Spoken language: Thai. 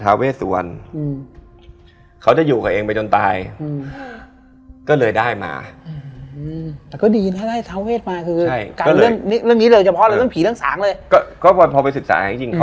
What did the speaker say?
ประตูของถ้ามพญาลักษณ์